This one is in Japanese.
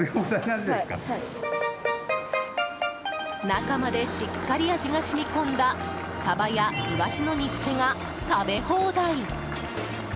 中までしっかり味が染み込んだサバやイワシの煮付けが食べ放題。